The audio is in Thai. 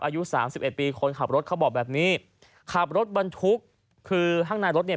อายุสามสิบเอ็ดปีคนขับรถเขาบอกแบบนี้ขับรถบรรทุกคือข้างในรถเนี่ย